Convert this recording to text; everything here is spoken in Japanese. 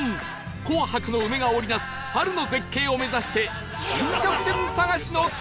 紅白の梅が織り成す春の絶景を目指して飲食店探しの旅！